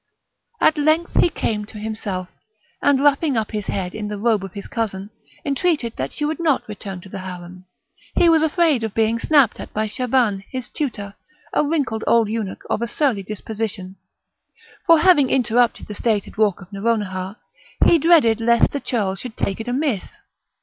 At length he came to himself, and, wrapping up his head in the robe of his cousin, entreated that she would not return to the harem; he was afraid of being snapped at by Shaban, his tutor, a wrinkled old eunuch of a surly disposition; for having interrupted the stated walk of Nouronihar, he dreaded lest the churl should take it amiss.